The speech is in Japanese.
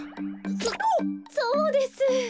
そそうです。